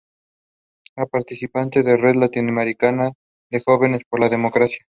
Es participantes de la Red Latinoamericana de Jóvenes por la Democracia.